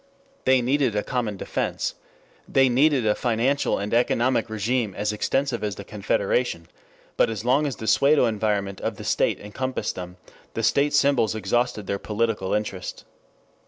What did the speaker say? They needed a common defense. They needed a financial and economic regime as extensive as the Confederation. But as long as the pseudo environment of the state encompassed them, the state symbols exhausted their political interest.